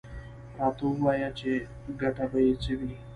_راته ووايه چې ګټه به يې څه وي؟